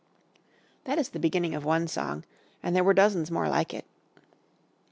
That is the beginning of one song and there were dozens more like it.